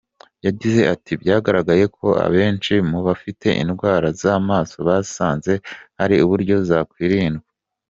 Yagize ati“byagaragaye ko abenshi mu bafite indwara z’amaso basanze hari uburyo zakwirindwa.